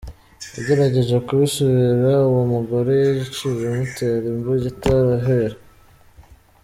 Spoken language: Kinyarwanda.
Agerageje kubisubira, uwo mugore yaciye amutera imbugita arahwera.